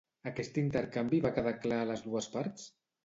Aquest intercanvi va quedar clar a les dues parts?